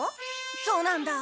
そうなんだ。